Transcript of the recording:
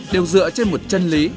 đều dựa trên một chân lý